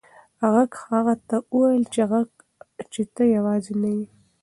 غږ هغه ته وویل چې ته یوازې نه یې.